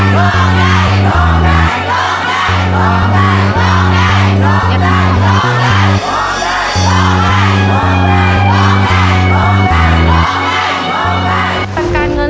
รองได้รองได้รองได้